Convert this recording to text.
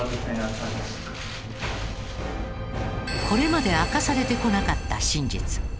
これまで明かされてこなかった真実。